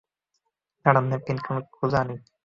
দাঁড়ান ন্যাপকিন খুঁজে আনি।